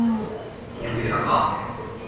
Here we are at last.